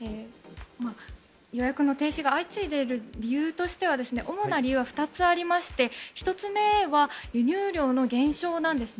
予約の停止が相次いでいる理由としては主な理由は２つありまして１つ目は、輸入量の減少です。